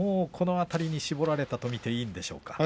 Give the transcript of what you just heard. この辺りに絞られたと見ていいでしょうか。